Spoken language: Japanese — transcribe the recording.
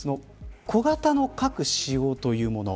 いわく小型の核使用というもの。